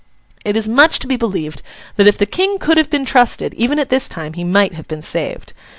It is much to be believed that if the King could have been trusted, even at this time, he might have been saved.